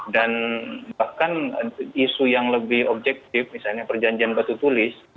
dan bahkan isu yang lebih objektif misalnya perjanjian batu tulis